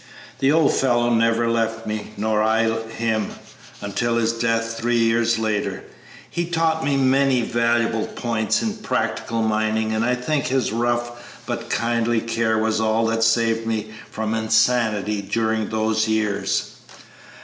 The old fellow never left me, nor I him, until his death three years later. He taught me many valuable points in practical mining, and I think his rough but kindly care was all that saved me from insanity during those years.